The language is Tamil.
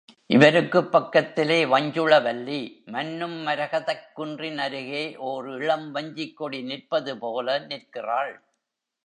இவருக்குப் பக்கத்திலே வஞ்சுளவல்லி, மன்னும் மரகதக் குன்றின் அருகே ஓர் இளம் வஞ்சிக்கொடி நிற்பதுபோல நிற்கிறாள்.